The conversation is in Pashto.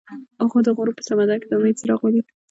هغه د غروب په سمندر کې د امید څراغ ولید.